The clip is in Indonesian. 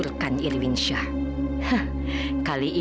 dan ama dengan polite